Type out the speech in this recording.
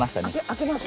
開けます？